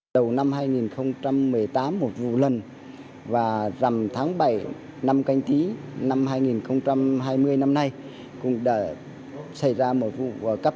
đầu năm hai nghìn một mươi tám một vụ lần và rằm tháng bảy năm canh tí năm hai nghìn hai mươi năm nay cũng đã xảy ra một vụ cấp